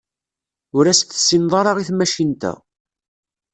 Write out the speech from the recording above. Ur as-tessineḍ ara i tmacint-a.